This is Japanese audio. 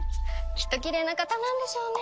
きっときれいな方なんでしょうね！